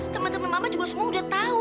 teman teman mama juga semua udah tahu